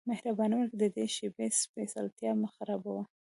مهرباني وکړه د دې شیبې سپیڅلتیا مه خرابوه